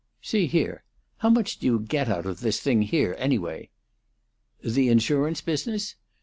"See here! How much do you get out of this thing here, anyway?" "The insurance business?"